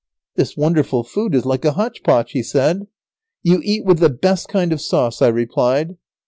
"This wonderful food is like a hotch potch," he said. "You eat with the best kind of sauce," I replied.